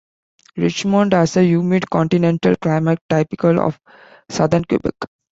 Richmond has a humid continental climate typical of southern Quebec.